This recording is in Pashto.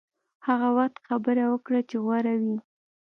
هغه وخت خبرې وکړه چې غوره وي.